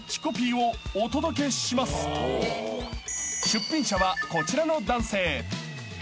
［出品者はこちらの男性］